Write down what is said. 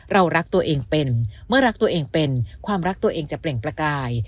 เรารักตัวเองเป็นเมื่อรักตัวเองเป็นความรักตัวเองจะเปล่งประกาย